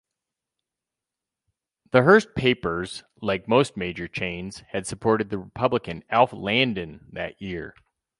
The Hearst papers-like most major chains-had supported the Republican Alf Landon that year.